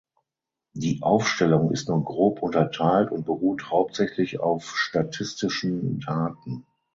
Die Aufstellung ist nur grob unterteilt und beruht hauptsächlich auf statistischen Daten.